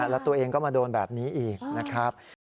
แล้วตัวเองก็มาโดนแบบนี้อีกนะครับ